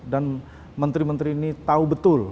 dan menteri menteri ini tahu betul